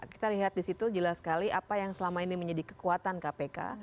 kita lihat di situ jelas sekali apa yang selama ini menjadi kekuatan kpk